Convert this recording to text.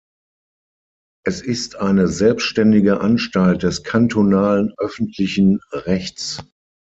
Es ist eine selbständige Anstalt des kantonalen öffentlichen Rechts.